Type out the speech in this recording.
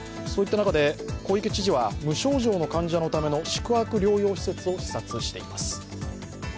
そういった中で小池知事は無症状の患者のための宿泊療養施設を視察しています。